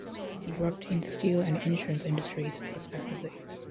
He worked in the steel and insurance industries respectively.